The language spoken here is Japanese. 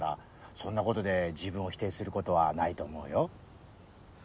そんなことで自分を否定することはないと思うよ。